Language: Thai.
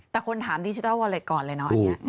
แต่คนถามดิจิทัลวอเล็ตก่อนเลยเนอะ